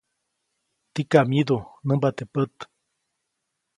Tikam myidu, nämba teʼ pät.